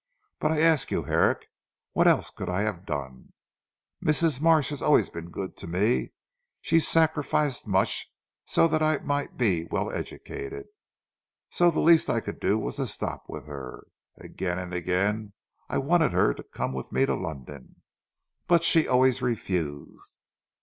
But I ask you Herrick, what else could I have done? Mrs. Marsh had always been good to me; she sacrificed much so that I might be well educated, so the least I could do was to stop with her. Again and again I wanted her to come with me to London; but she always refused."